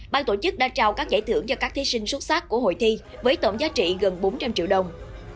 ban tổ chức đã trao các giải thưởng cho các thí sinh xuất sắc của hội thi với tổng giá trị gần bốn trăm linh triệu đồng